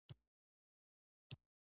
دوی ډېر لوړ پوړیز کورونه جوړوي.